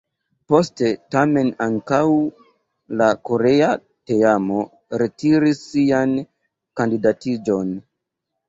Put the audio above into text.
Poste tamen ankaŭ la korea teamo retiris sian kandidatiĝon.